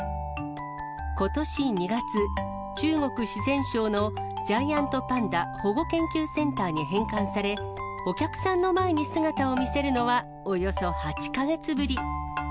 ことし２月、中国・四川省のジャイアントパンダ保護研究センターに返還され、お客さんの前に姿を見せるのはおよそ８か月ぶり。